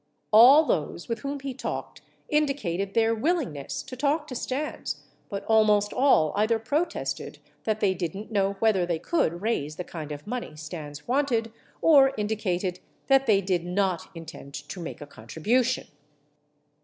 All those with whom he talked indicated their willingness to talk to Stans, but almost all either protested that they didn't know whether they could raise the kind of money Stans wanted, or indi cated that they did no intend to make a contribution.